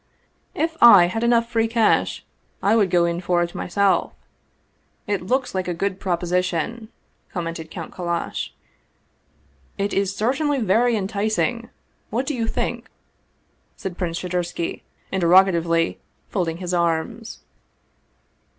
If I had enough free cash I would go in for it my self." " It looks a good proposition," commented Count Kal lash. " It is certainly very enticing; what do you think? " said Prince Shadursky interrogatively, folding his arms.